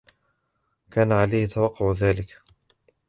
كان عليهم توقع ذلك.